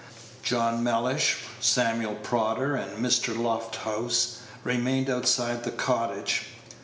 John Mellish, Samuel Prodder, and Mr. Lofthouse remained outside of the cottage.